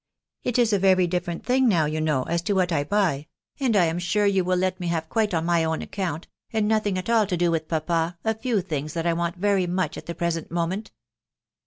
It is a very different thing now, you know, as to what I buy ; and I am sure you will let me have quite on my own account, and nothing at all to do with papa, a few things that I want very much at the present moment."